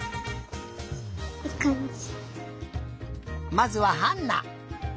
まずはハンナ。